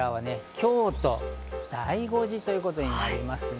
京都、醍醐寺ということになりますね。